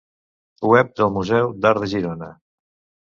Web del Museu d'Art de Girona.